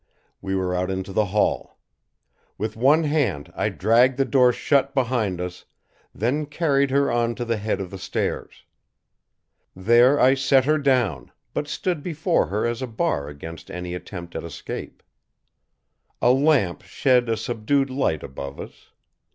We were out into the hall. With one hand I dragged the door shut behind us, then carried her on to the head of the stairs. There I set her down, but stood before her as a bar against any attempt at escape. A lamp shed a subdued light above us.